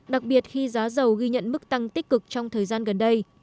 đặc biệt khi giá dầu ghi nhận mức tăng tích cực trong thời gian gần đây